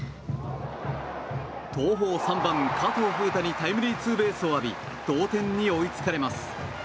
東邦３番、加藤楓太にタイムリーツーベースを浴び同点に追いつかれます。